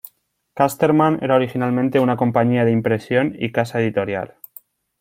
Casterman era originalmente una compañía de impresión y casa editorial.